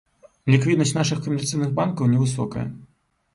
Ліквіднасць нашых камерцыйных банкаў невысокая.